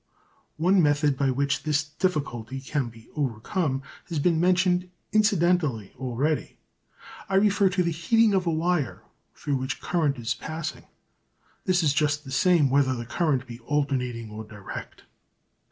One method by which this difficulty can be overcome has been mentioned incidentally already. I refer to the heating of a wire through which current is passing. This is just the same whether the current be alternating or direct.